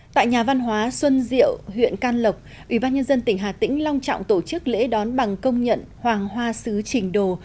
tại nhà văn hóa xuân diệu huyện can lộc ủy ban nhân dân tỉnh hà tĩnh long trọng tổ chức lễ đón bằng công nhận hoàng hoa sứ trình đồ